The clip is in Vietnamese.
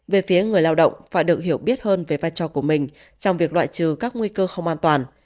về phía người lao động phải được hiểu biết hơn về vai trò của mình trong việc loại trừ các nguy cơ không an toàn